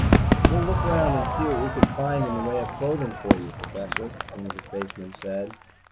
"We'll look around and see what we can find in the way of clothing for you, Professor," one of the spacemen said.